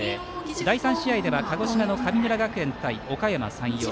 第３試合では鹿児島の神村学園高校対おかやま山陽。